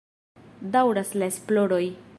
Daŭras la esploroj.